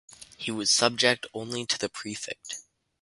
He was subject only to the prefect.